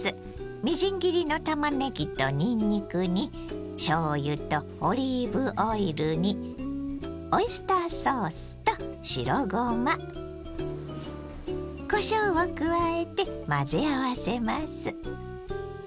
みじん切りのたまねぎとにんにくにしょうゆとオリーブオイルにオイスターソースと白ごまこしょうを加えて混ぜ合わせます。